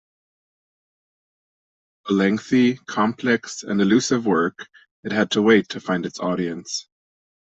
A lengthy, complex, and allusive work, it had to wait to find its audience.